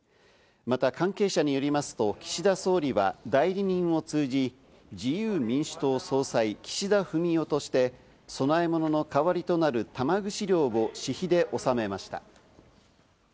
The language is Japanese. また関係者によりますと、岸田総理は代理人を通じ、「自由民主党総裁岸田文雄」として、供え物の代わりとなる玉串料を私費で納めました。